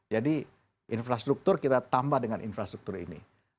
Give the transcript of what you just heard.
jadi infrastruktur kita tambah dengan infrastruktur ini